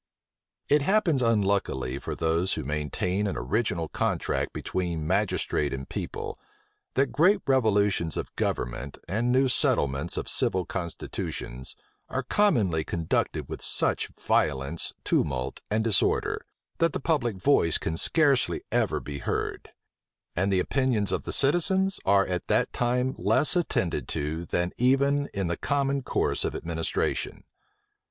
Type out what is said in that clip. It happens unluckily for those who maintain an original contract between the magistrate and people, that great revolutions of government, and new settlements of civil constitutions, are commonly conducted with such violence, tumult, and disorder, that the public voice can scarcely ever be heard; and the opinions of the citizens are at that time less attended to than even in the common course of administration.